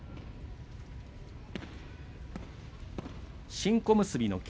新小結の霧